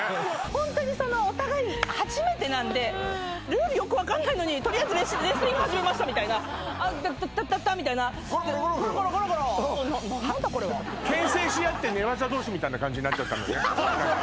ホントにそのお互いに初めてなんでルールよく分かんないのにとりあえずレスリング始めましたみたいなゴロゴロゴロゴロ何なんだこれはけん制しあって寝技同士みたいな感じになっちゃったのね